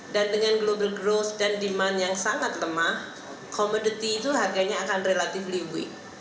dan dengan global growth dan demand yang sangat lemah commodity itu harganya akan relatively weak